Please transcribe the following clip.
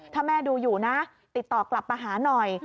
ถ้าแม่ดูอยู่นะติดต่อกลับมาหาหน่อย